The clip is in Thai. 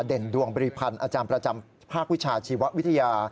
เด่นดวงบริพันธ์อาจารย์ประจำภาควิชาชีววิทยา